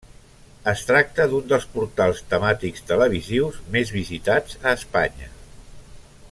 Es tracta d'un dels portals temàtics televisius més visitats a Espanya.